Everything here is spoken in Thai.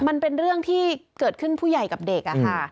มันเป็นเรื่องที่เกิดขึ้นผู้ใหญ่กับเด็กค่ะ